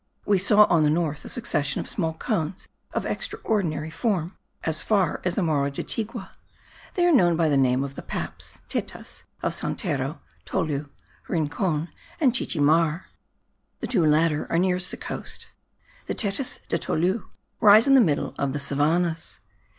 We saw on the north a succession of small cones of extraordinary form, as far as the Morro de Tigua; they are known by the name of the Paps (tetas) of Santero, Tolu, Rincon and Chichimar. The two latter are nearest the coast. The Tetas de Tolu rise in the middle of the savannahs.